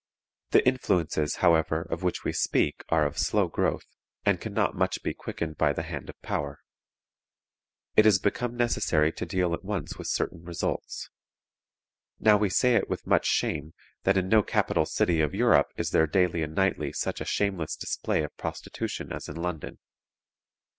"The influences, however, of which we speak are of slow growth, and can not be much quickened by the hand of power. It has become necessary to deal at once with certain results. Now we say it with much shame, that in no capital city of Europe is there daily and nightly such a shameless display of prostitution as in London.